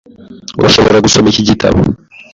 Urashobora gusoma iki gitabo .